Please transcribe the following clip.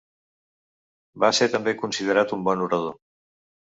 Va ser també considerat un bon orador.